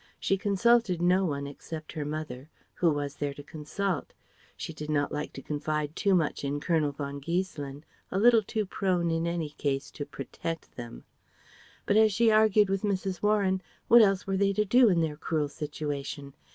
She consulted no one, except her mother. Who was there to consult? She did not like to confide too much to Colonel von Giesselin, a little too prone in any case to "protect" them. But as she argued with Mrs. Warren, what else were they to do in their cruel situation?